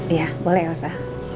iya boleh elsa